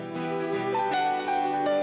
gak bakal jadi satu